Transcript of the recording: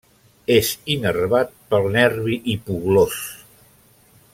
És innervat pel nervi hipoglòs.